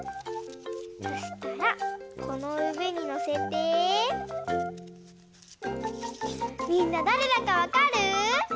そしたらこのうえにのせてみんなだれだかわかる？